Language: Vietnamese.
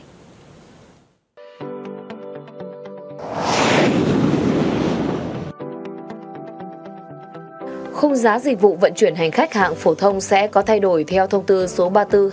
khung giá dịch vụ vận chuyển hành khách hạng phổ thông sẽ có thay đổi theo thông tư số ba mươi bốn hai nghìn hai mươi ba